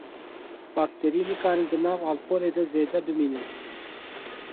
Bakterî nikarin di nav alkolê de zêde bimînin.